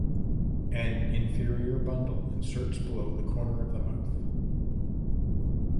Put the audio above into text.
An inferior bundle inserts below the corner of the mouth.